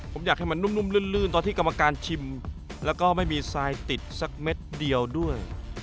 ผมอยากให้มันนุ่มลื่นตอนที่กรรมการชิมแล้วก็ไม่มีทรายติดสักเม็ดเดียวด้วย